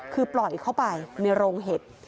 คือปล่อยเข้าไปในโรงเห็ด